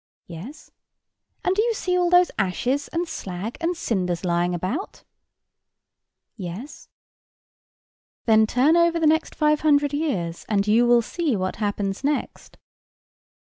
"Yes." "And do you see all those ashes, and slag, and cinders lying about?" "Yes." "Then turn over the next five hundred years, and you will see what happens next."